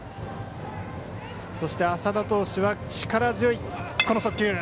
そして、浅田投手は力強い速球。